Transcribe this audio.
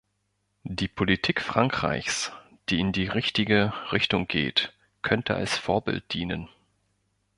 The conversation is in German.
Die Politik Frankreichs, die in die richtige Richtung geht, könnte als Vorbild dienen.